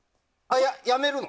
辞めるの？